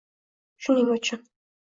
Shuning uchun